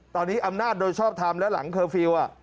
ตอนนี้อำนาจโดยชอบทำและหลังเคอร์ฟิลล์